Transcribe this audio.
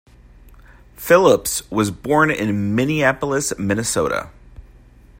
Phillips was born in Minneapolis, Minnesota.